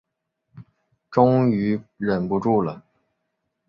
终于忍不住了